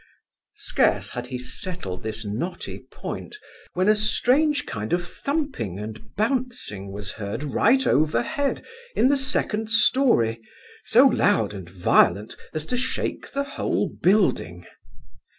Scarce had he settled this knotty point, when a strange kind of thumping and bouncing was heard right over head, in the second story, so loud and violent, as to shake the whole building.